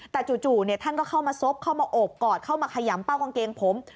แต่จู่ท่านก็เข้ามาซบเข้ามาโอบกอดเข้ามาขยำเป้ากางเกงผม